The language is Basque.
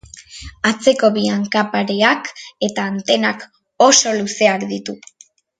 Atzeko bi hanka pareak eta antenak oso luzeak ditu.